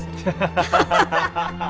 ハハハハ！